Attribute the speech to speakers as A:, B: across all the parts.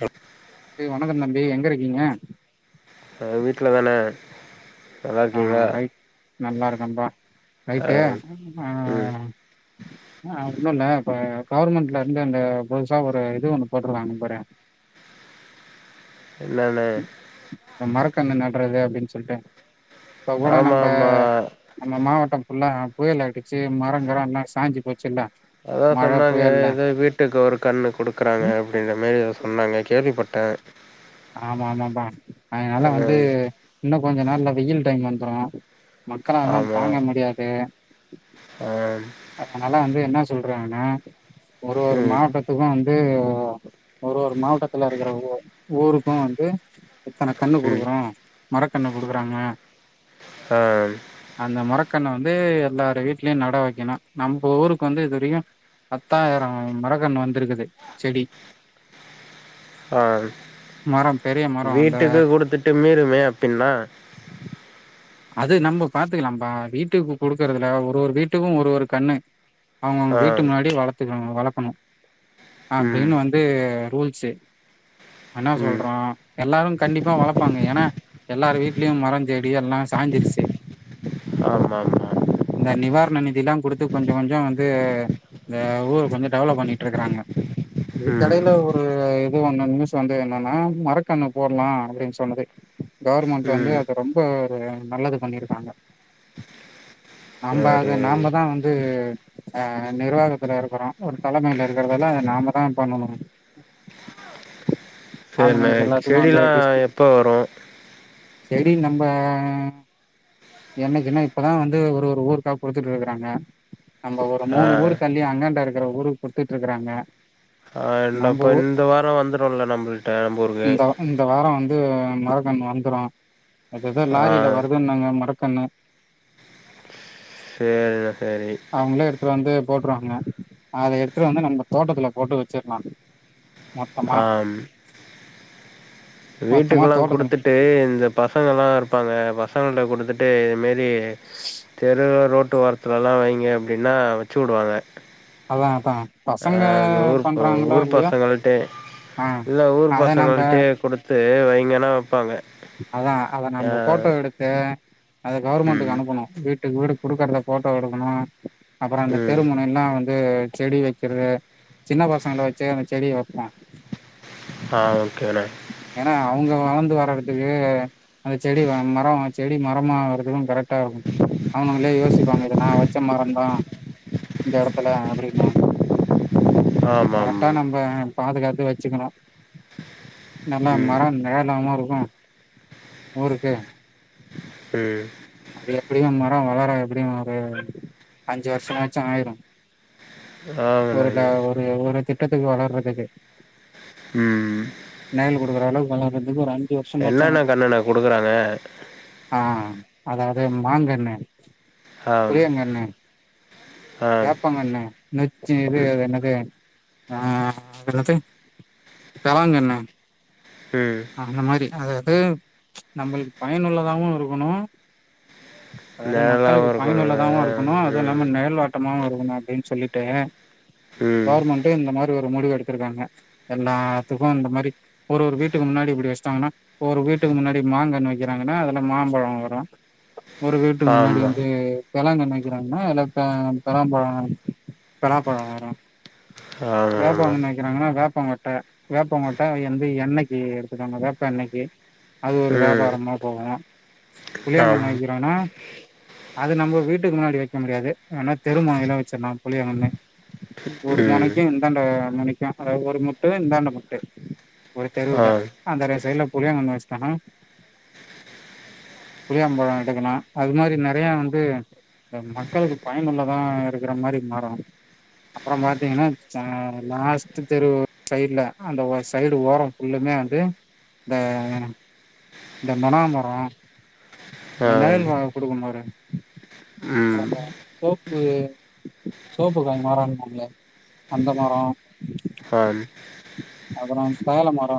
A: அ
B: பி வணக்கம் தம்பி எங்க இருக்கீங்க
A: அ வீட்ல தாணே நல்லா
B: ஆ
A: இருக்கீங்ளா
B: ரைட் நல்லா இருக்கம்பா நைட்டு ஆ
A: ம்
B: ஆ ஒன்னு இல்ல இப்ப கவர்மெண்ட்ல இருந்து இந்த புதுசா ஒரு இது ஒண்ணு போட்டுருக்காங்க பாரு
A: என்னணே
B: அ மரக்கன்னு நட்றது அப்டின் சொல்ட்டு இப்ப கூட
A: ஆமா
B: நம்ப
A: ஆமா
B: நம்ம மாவட்டம் ஃபுல்லா புயல் அடிச்சு மரங்கிர எல்லா சாஞ்சுப்போச்சுல்ல
A: அதா சொன்னாங்க எதோ வீட்டுக்கு ஒரு கண்ணு குடுக்குறாங்க
B: ம்
A: அப் டின்ற மாரி எதோ சொன்னாங்க கேள்விப்பட்டே
B: ஆமா ஆமாம்பா அதனால
A: அ
B: வந்து இன்னு கொஞ்ச நாள்ல வெயில் டைம் வந்துரு மக்களால்லா
A: ஆமா
B: தாங்க முடியாது
A: ஆ
B: அதனால வந்து என்ன சொல்றாங்கனா ஒரு ஒரு
A: ம்
B: மாவட்டத் துக்கு வந்து ஒரு ஒரு மாவட்டத்துல இருக்கிற உ ஊருக்கு வந்து இத்தன கண்ணு
A: ம்
B: குடுக்குறோ மரக்கண்ணு குடுக்குறாங்க
A: ஆ
B: அந்த மரக்கண்ண வந்து எல்லாரு வீட்லயு நட வைக்கணு நம்ப ஊருக்கு வந்து இது வெரிக்கு பத்தாயிரோ மரகண்ணு வந்துருக்குது செடி
A: ஆ
B: மரம் பெரிய மரோ அந்த
A: வீட்டுக்கு குடுத்துட்டு மீறுமே அப்பின்னா
B: அது நம்ம பாத்துக்கலாம்ப்பா வீட்டுக்கு குடுக்குறதுல ஒரு ஒரு வீட்டுக்கு ஒரு ஒரு கண்ணு அவங்கவங்க
A: ஆ
B: வீட்டு முன்னாடி வளத்துக்கணு வளக்கணும
A: ம்
B: அப்டின்னு வந் து ரூல்ஸு அ இன்னா
A: ம்
B: சொல்றோ எல்லாரு கண்டிப்பா வளப்பாங்க ஏனா எல்லாரு வீட்லியும் மரம் செடி எல்லா சாஞ்சிருச்சு
A: ஆமா ஆமா
B: இந்த நிவாரண நிதில்லா குடுத்து கொஞ்ச கொஞ்சோ வந்து இந்த ஊர் கொஞ்சு டெவலப் பண்ணிட்ருக்காங்க
A: ம்
B: இதுக்கெடைய்ல ஊ குலுவ்ல இது ஒண்ண நியூஸ் வந்து என்னான்னா மரக்கண்ணு போட்லா அப்படின் சொன்னதே கவ்ர்மண்ட் வந்து
A: ம்
B: அத ரொம்ப ரு நல்லது பண்ணிருக்காங்க
A: சரி
B: நம்பாக நாமதா வந்து அ நிர்வாகத்துல இருக்குறோ ஒரு தலைமைல இருக்கறதல்ல நாமதா பண்ணணும்
A: சரிண்ணே
B: ஆளுங்க எல்லாத்துக்கு அந்த
A: செடிலா
B: வேட்டி இஸ்க்கி
A: எப்போ வரு
B: சரி நம்ப ம் என்னைக்குன்னா இப்பதா வந்து ஒரு ஒரு ஊருக்கா குடுத்துட்ருக்கறாங்க நம்ப ஒரு மூணு
A: ஆ
B: ஊர் தள்ளி அங்கான்டா இருக்குற ஊருக் குட்டுட்ருக்கறாங்க
A: அன்னப்ப இந்த வாரோ வந்துடுல்ல நம்மள்ட்ட நம்பூருக்கு
B: இந்த இந்த வார வந்து மரக்கன் வந்துரு அதெதா
A: ஆ
B: லாரில வருதுன்னாங்க மரக்கன்னு
A: சேரிடா சரி
B: அவங்களே வந்து போட்ருவாங்க அத எடுத்ட்டு வந்து நம்ம தோட்டத்துல போட்டு வெச்சிர்லா
A: ஆம்
B: மொத்தமா
A: வீட்டுக்குல்லா
B: தோட்டத்துல
A: குடுத்துட்டு இந்த பசங்க எல்லா இருப்பாங்க பசங்கல குடுத்துட்டு இதுமேர் தி தெரு ரோட்டு ஓரத்துலல்லா வைங்க அப்டின்னா வெச்சு வுடுவாங்க
B: அதா அதா
A: அ
B: பசங்க
A: கு ஊர்போ
B: பண்றாங்களோ
A: ஊர்
B: இல்லையோ
A: பசங்களுட்டே
B: ஆ
A: இல்ல ஊர்
B: அத நம்ப
A: பசங்கள்ட்டே குடு த்து வைங்கனா வெப்பாங்க
B: அதா அத நம்ம ஃபோட்டோ எடுத்து அத கவர்மெண்ட்டுக்கு
A: ம்
B: அனுப்பணு வீட்டுக்கு வீடு குடுக்கறத ஃபோட்டோ எடுக்கணு அப்பற அந்த
A: ம்
B: தெருமுணைல்லா வந்த் து செடி வக்கிறது சின்ன பசங்கள வெச்சே அந்த செடிய வெப்பா
A: ஆ ஓகேண்ண
B: ஏன்னா அவங்க வளந்து வரவின் துக்கு அந்த செடி வ மரோ செடி மரமா ஆவுரது கரக்டா இருக்கு அவனுங்களே யோசிப்பாங்க இத நா வச்ச மறந்தா இந்த எடத்துல அப்டின்வாங் என
A: ஆமாம்
B: கரக்டா நம்ப பாதுகாத்து வச்சுக்கணு நல்லா
A: ம்
B: மரன் நேலாமா இருக்கு ஊருக்கு
A: உ
B: அது எப்டியு மரோ வளரு எப்டியு ஒரு அஞ்சு வருஷமாச்சு ஆய்ரு
A: ஆமாண்ண
B: ஒருட ஒரு ஒரு திட்டத்துக்கு வளர்றதுக்கு
A: ம்ம்
B: நய்ல் குடுக்ர அளவ்க் வளரதுக்கு ஒரு அஞ்சி வர்ஷமாட்
A: என்னன்ன கண்ணண்ண குடுக்குறாங்க
B: ஆ அதாவ்து மாங்கண்ணு
A: ஆ
B: புளியங்கண்ணு
A: ஆ
B: வேப்பங்கன்னு நொச்சி இது
A: ம்
B: அது என்னது ஆ எறது தவாங்கண்ணு
A: ம்
B: அந்த மாரி அதாவ்து நம்பள்க்கு பயனுள்ளதாவு இருக்கணு அதாவ்து மக்களுக்கு
A: நேரலாவும் இருக்கணும்ல
B: பயனுள்ளதாவு இருக்கணு அது
A: ம்
B: இல்லாம நேல்வாட் டமா வருதுன்னா அப்டின் சொல்லிட்டு
A: ம்
B: கவர்மண் டே இந்த மாரி ஒரு முடிவு எடுத்துருக்காங்க எல்லாத்துக்கு இந்த மாரி ஒரு ஒரு வீட் ட்டுக்கு முன்னாடி இப்டி வச்சிட்டாங்கன்னா ஒரு வீட்டுக்கு முன்னாடி மாங்கண்ணு வெக்கிறாங்கன்னா அதுல மாம்பழோ வரு ஒரு வீட்டுக் முன்னாடி
A: ஆமா
B: வந்து தெளாங்கண் வெக்கிறாங்கன்னா இல்லப்ப பெளாம்பழம் பெலாப்பழோ வரு
A: ஆமா ஆமா
B: வேப்பங்கன்னு வெக்கிறாங்கன்னா வேப்பங்கொட்ட வேப்பங்கொட்ட எந்த எண்ணைக் கி எடுத்துக்காங்க வேப்பெண்ணைக்கி அது ஒரு
A: ம்
B: வியாபாரமா போகு
A: ஆம்
B: புளியாங்கண்ணு வெக்கிறாங்னா அது நம்ம வீட்டுக்கு முன்னாடி வெக்க முடியாது வேனா தெருமுனைல வச்சிர்லா புளியாங் கண்ணு ஒரு
A: ம்
B: மொணைக்கு இந்தாண்ட மொணைக்கு அதாவது ஒரு முட்டு இந்தாண்ட முட்டு ஒரு தெருவுல
A: ஆம்
B: அந்தர சைட்ல புளியாங்கன்னு வெச்சுட்டோனா புளியாபழோ எடுக்கலா அது மாரி நெறையா வந்து இந்த மக்களுக்கு பயனுள்ளதா இருக்கிற மாரி மாரோ அப்பறோ பாத்தீங்கன்னா லாஸ்ட் தெரு சைடுல அந்த சைடு ஓரோ உள்ளுமே வந்து இந்த இந்த நொனாமரோ அந்த நெழல்
A: ஆம்
B: வா குடுக்கு பாரு
A: ம்
B: நம்ப சோப்பு சோப்பு காய் மரோம்பாங்கலே அந்த மரோ
A: கால்
B: அப்பறோ தைல மரோ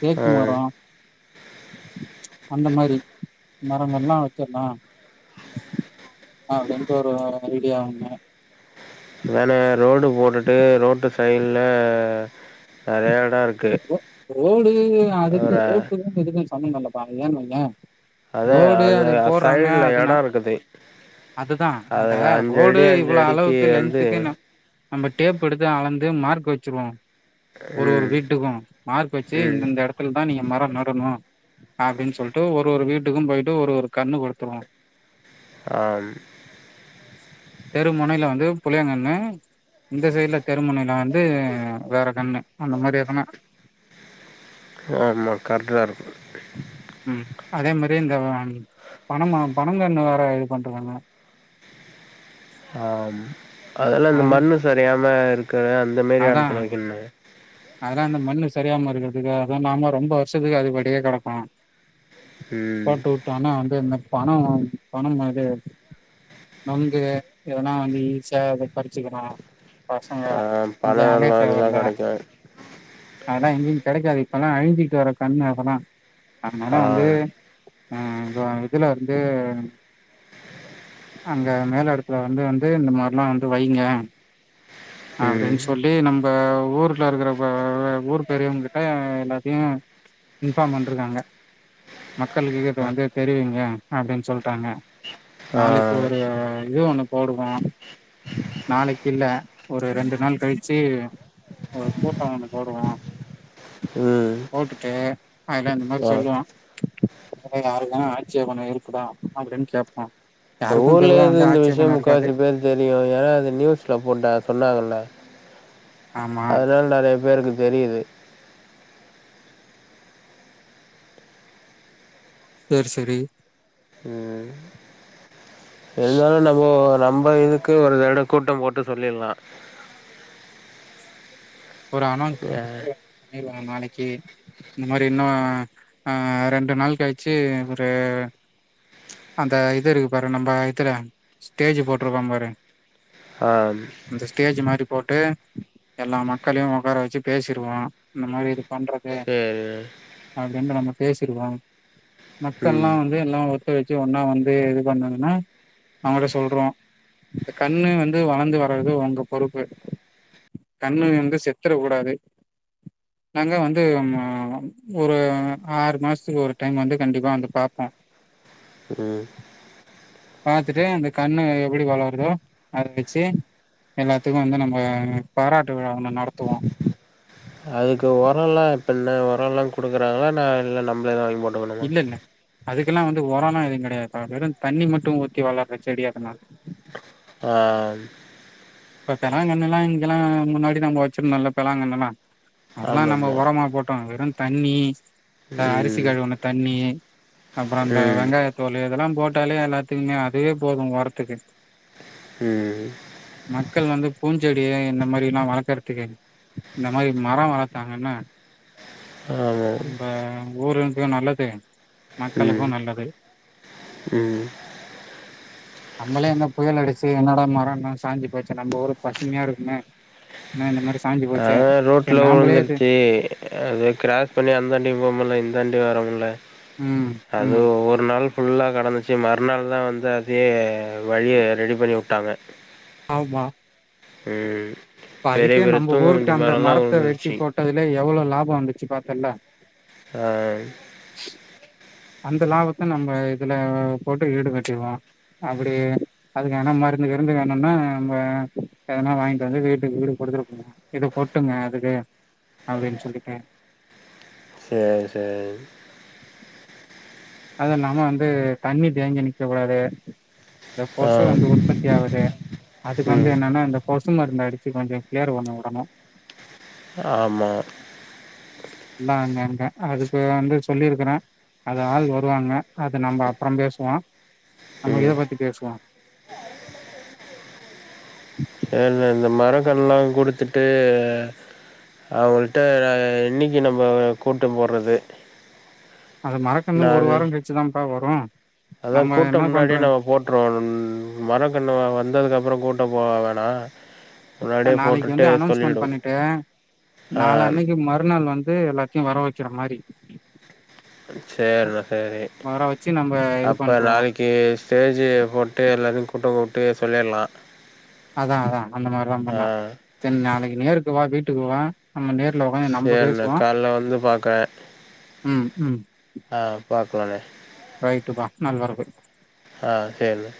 B: தேக்கு
A: ஆம்
B: மரோ அந்த மாரி மரங்கல்லா வெச்சிர்லா அப்டின்டொரு ஒரு ஐடியாவொன்னு
A: வேனு ரோடு போட்டுட்டு ரோட்டு சைட்ல நெறையா எடோ இருக்கு
B: ரோடு அதுக்கு
A: ஒரு
B: ரோட்டுக்கு இதுக்கு சம்பந்தில்லப்பா ஏன்னு வையே
A: அதான்
B: ரோடு அது போற்றாங்க
A: சைடில்
B: அதுனா
A: இடம் இருக்குது
B: அதுதா அந்த
A: அதில் அஞ்சு
B: ரோடு
A: அடி அஞ்சு
B: இவ்ளோ
A: அடிக்கு
B: அளவுக்கு
A: வந்து
B: லென்த்துக்குனா நம்ம டேப் எடுத்து அளந்து மார்க் வெச்சுருவோ ஒரு ஒரு
A: ம்
B: வீட் டுக்கும் மார்க் வெச்சு
A: ம்
B: இந்த இந்த எடத்துல தா நீங்க மரோ நடணு அப்டின் சொல்ட்டு ஒரு ஒரு வீட்டுக்கு போயிட்டு ஒரு ஒரு கன்னு குடுத்துருவோ
A: ஆம்
B: தெரு முனைையில வந்து புளியாங்கன்னு இந்த சைட்ல தெருமனையிலா வந்து வேற கன்னு அந்த மாரி எதனா
A: னோ கர்ண்டு வரதுக்கு
B: ம் அதே மாரி இந்த பன மரோ பனங்கன்னு வேற இது பண்ருவாங்க
A: ஆம் அதெல்லா இந்த
B: அது
A: மண்ணு சரியாம இருக்கற அந்த மாரி எடத்துல வைய்க்கன்னா
B: அதுலா இந்த மண்ணு சரியாம இருக்கறதுக்கு அதுல்லாம ரொம்ப வருஷத்துக்கு அது படியே கெடக்கு
A: ம்
B: போட்டு விட்டோனா வந்து இந்த பனோ பனோ மது நொங்கு இதெல்லா வந்து ஈஸியா அதை பறிச்சுகலா பசங்க இஞ்ச அல
A: லா கெடைக்கு
B: அதல்லா எங்கயு கெடைக்காது இப்பல்லா அழிஞ்சிட்டு வர கன்னு அதல்லா அதனால
A: ஆ
B: வந்து ஹ் அ இதுலருந்து அங்க மேல எடத்துல வந்து வந்து இந்த மார்லா வந்து வைங்க அப்டின்
A: ம்
B: சொல்லி நம்ம ஊர் ல இருக்கற பல ஊர் பெரியவங்க கிட்ட எல்லாத்தையு இன்பார்ம் பண்டுருக்காங்க மக்களுக்கு இது வந்து தெரிவியுங்க அப்டின் சொல்டாங்க
A: ஆ
B: நாளைக்கு ஒரு இது ஒண்ணு போடுவோ நாளைக்கில்ல ஒரு ரெண்டு நாள் கழிச்சி ஒரு கூட்டோ ஒன்னு போடுவோ
A: ம்
B: போட்டுட்டு அதுல இந்த மாரி
A: ஆ
B: சொல்லுவா ஏ யாருக்குணா ஆக்சேபன இருக்குதா அப்டின்னு கேப்போ
A: இந்த
B: யாருக்கு
A: ஊரில்
B: பொதுவா
A: இது இந்த விஷயோ
B: ஆட்சேபண இருக்காது
A: முக்காசி பேர் தெரியு ஏனா அது நியூஸ்ல போட்டா சொன்னாங்கல
B: ஆமா
A: அதனால நெறைய பேருக்கு தெரியுது
B: சேர் செரி
A: ம் இருந்தாலு நம்மோ நம்ம இதுக்கு ஒரு தட கூட்டோ போட்டு சொல்லிட்லா
B: ஒரு அனா [inaudible]
A: ஆ
B: மாரி பண்ணிருவாங்க நாளைக்கு இந்த மாரி இன்னு அ ரெண்டு நாள் கழிச்சு ஒரு அந்த இது இருக்கு பாரு நம்ப இதுல ஸ்டேஜ் போட்ருக்கு பாரு
A: ஆம்
B: இந்த ஸ்டேஜ் மாரி போட்டு எல்லா மக் களையு உக்கார வச்சு பேசிருவோ இந்த மாரி இது பண்றது
A: சேரி
B: அப்டின்டு நம்ம பேசிருக்கோ மக்கள்ல்லா
A: ம்
B: வந்து எல்லா ஒத்துலச்சு ஒன்னா வந்து இது பண்ணதுன்னா அவங்கள்ட்ட சொல்றோ இந்த கன்னு வந்து வளர்ந்து வர்றது உங்க பொறுப்பு கன்னு வந்து செத்துரக்கூடாது நாங்க வந்து நம்மோ ஒரு ஆறு மாசத்துக்கு ஒரு டைம் வந்து கண்டிப்பா வந்து பாப்போ
A: ம்
B: பாத்துட்டு அந்த கன்னு எப்டி வளறுதோ அத வச்சு எல்லாத்துக்கு வந்து நம்ம பாராட்டு விழா ஒன்னு நடத்துவோ
A: அதுக்கு ஒரல்லா எப்டிண்ண ஒரல்லா குடுக்குறாங்களா நா இல்ல நம்மளேதா வாங்கி போட்
B: இல்ல இல்ல அதுக்கெல்லா வந்து ஓரல்லா எதுவு கெடையாதுகா வெரு தண்ணி மட்டும் ஊத்தி வளற செடி அதலா
A: ஆ
B: பெத்தலாங்ழாங்கன்னுனா இங்கெல்லா முன்னாடி நாங்க வச்சுருந்தோல பெழாங்கண்ணுலா அதெல்லா நாங்க
A: ஆமாம்மா
B: ஒரமா போட்டோ வெறு தண்ணி க அரிசி
A: ம்
B: கழுவுன தண்ணி அப்றோ அந்த
A: ம்
B: வெங்காயத்தோல் இதெல்லாம் போட்டாலே எல்லாத்துக்குமே அதுவே போது ஒரத்துக்கு
A: ம்
B: மக்கள் வந்து பூஞ்செடியா என்ன மாரி நா வளர்க்குறதுக்கு இந்த மாரி மரோ வளத்தாங்கன்னா
A: ஆமாம்
B: நம்ப ஊருக்கு நல்லது
A: ம்
B: மக்களுக்கு நல்லது
A: ம்
B: நம்மளே என்ன புயல் அடிச்சு என்னடா மரோலா சாஞ்சு போச்சு நம்ப ஊரு பசுமையா இருக்குமே என்ன இந்த மாரி சாஞ்சு போச்சே
A: தா
B: சரி
A: ரோட்ல
B: நாமளே இது
A: உழுந்துருச்சு அது கிராஸ் பண்ணி அந்தாண்டியு போ முல இந்தாண்டியு வர முல
B: ம்
A: அது
B: ம்
A: ஒவ்வொரு நாள் ஃபுல்லா கடந்துச்சு மறுநாள்தா வந்து அதே வழியே ரெடி பண்ணி வுட்டாங்க
B: ஆமா இப்ப
A: பெரிய
B: அதுக்கே
A: பெரிய
B: நம்ம
A: தூங்க
B: ஊருக்கு
A: முந்தி
B: அந்த
A: மரம்லாம்
B: மரத்த வெட்டி
A: விழுந்துருச்சு
B: போட் டதுலே எவ்ளோ லாபோ வந்துச்சு பாத்தல்ல
A: ஆ
B: அந்த லாபத்த நம்ம இதுல போட்டு ஈடுகட்டிருவோ அப்டி அதுக்கு எதனா மருந்து கிருந்து இல்லன்னா நம்ம எதனா வாங்கிட்டு வந்து வீட்டுக்கு வீடு குடுத்துடுபோங்க இத கொட்டுங்க அதுக்கு அப்டின் சொல்லிட்டே
A: சேரி சேரி
B: அது இல்லாம வந்து தண்ணி தேங்கி நிக்க கூடாது இந்த கொசு
A: ஆ
B: வந்து உற்பத்தி ஆகுது அதுக்கு வந்து
A: ம்
B: என்னன்னா இந்த கொசு மருந்து அடிச்சு கொஞ்சோ கிளியர் பண்ணிவுடணு
A: ஆம்மா
B: எல்லா அங்க அங்க அதுக்கு வந்து சொல்லிருக்றே அது ஆள் வருவாங்க அத நம்ம அப்பறம் பேசுவோ நம்ம இத
A: ம்
B: பத்தி பேசுவோ
A: [unintelligible] மரங்கன்லா குடுத்துட்டு அவள்ட்ட என்னைக்கு நம்ம கூட்டோ போறது
B: அது மரக்கன்னு ஒரு வாரோ கழிச்சுதான்ப்பா வரு
A: அதா
B: நம்ம என்ன
A: கூட்டம்
B: பண்றோ
A: முன்னாடியே நம்ம போ ட்றோனுன் மரக்கன்னு வந்ததுக்கு அப்றோ கூட்டம் போட வேணா
B: ட்டா
A: முன்னாடியே
B: நாளைக்கு
A: போட்டுட்டு
B: வந்து அனௌன்ஸ்மென்ட்
A: சொல்லிடு
B: பண்ணிட்டு
A: ஆ
B: நாளானைக்கு மறுநாள் வந்து எல்லாத் க்கு வர வைக்கிற மாரி
A: சேரிணா சேரி
B: வர வச்சு நம்ம இது
A: அப்ப
B: பண்ருவோ
A: நாளைக் இ ஸ்டேஜ்ஜி போட்டு எல்லாத்தையு கூட்டோ போட்டு சொல்லிர்லா
B: அதா அதா அந்த மாதிரிதா பண்னே சர் நாளைக்கு நேருக்கு வா வீட்டுக்கு வா நம்ம நேர்ல் ஒக்காந்து நம்ம
A: சேரிண்ணே
B: பேசுவோ
A: கால்ல வந்து பாக்குறே
B: ம் ம்
A: ஆ பாக்லான்ணே
B: ரைட்டுப்பா நல்வரவு
A: அ சேர்ணே